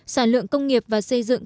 sản lượng công nghiệp và xây dựng